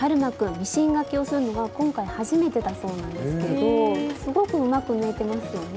ミシンがけをするのが今回初めてだそうなんですけどすごくうまく縫えてますよね。